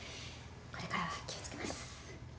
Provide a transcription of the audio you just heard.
これからは気を付けます。